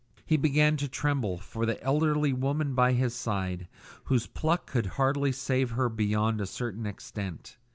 He began to tremble for the elderly woman by his side, whose pluck could hardly save her beyond a certain extent.